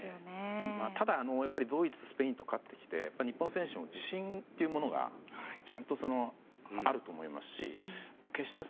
ただドイツ、スペインと勝ってきて日本選手も自信というものがあると思いますし。